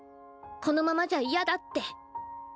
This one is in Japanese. このままじゃ嫌だって。